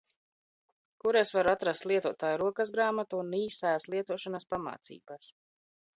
Kur es varu atrast lietotāja rokasgrāmatu un īsās lietošanas pamācības?